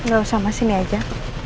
gak usah mas sini aja